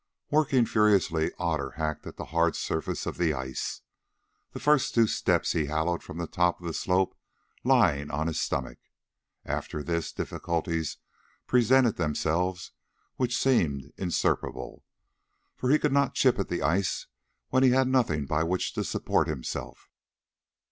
Working furiously, Otter hacked at the hard surface of the ice. The first two steps he hollowed from the top of the slope lying on his stomach. After this difficulties presented themselves which seemed insuperable, for he could not chip at the ice when he had nothing by which to support himself.